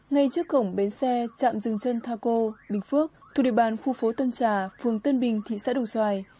ngay trước cổng bến xe chạm dừng chân tha cô bình phước thuộc địa bàn khu phố tân trà phường tân bình thị xã đồng xoài